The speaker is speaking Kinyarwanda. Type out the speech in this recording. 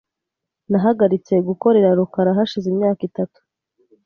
Nahagaritse gukorera rukara hashize imyaka itatu .